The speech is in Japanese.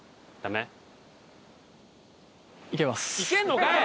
いけんのかい！